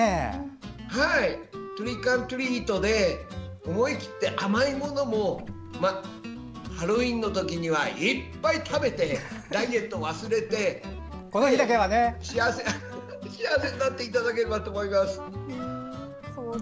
トリックオアトリートで思い切って、甘いものもハロウィーンのときにはいっぱい食べてダイエットを忘れて幸せになっていただければと思います。